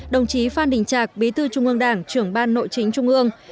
đồng chí phan đình trạc bí thư trung ương đảng trưởng ban nội chính trung ương